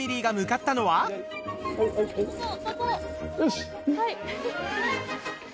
はい。